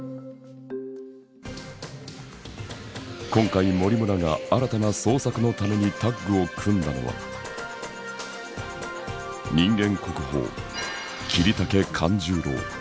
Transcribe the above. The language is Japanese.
今回森村が新たな創作のためにタッグを組んだのは人間国宝桐竹勘十郎。